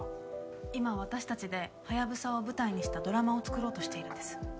今私たちでハヤブサを舞台にしたドラマを作ろうとしているんです。